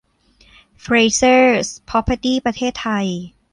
เฟรเซอร์ส พร็อพเพอร์ตี้ ประเทศไทย